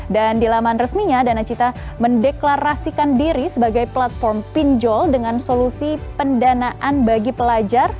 dan di laman resminya danacita mendeklarasikan diri sebagai platform pinjol dengan solusi pendanaan bagi pelajar